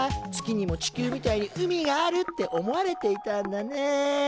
月にも地球みたいに海があるって思われていたんだね。